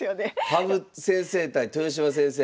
羽生先生対豊島先生。